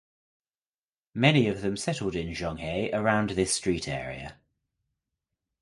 Many of them settled in Zhonghe around this street area.